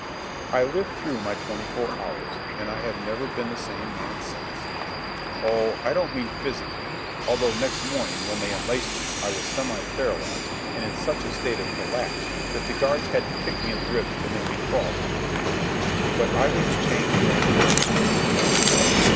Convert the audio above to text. I lived through my twenty four hours, and I have never been the same man since. Oh, I don't mean physically, although next morning, when they unlaced me, I was semi paralyzed and in such a state of collapse that the guards had to kick me in the ribs to make me crawl to my feet. But I was a changed man mentally, morally.